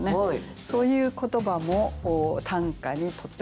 そういう言葉も短歌にとっても大事なんですね。